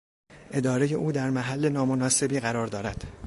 ادارهی او در محل نامناسبی قرار دارد.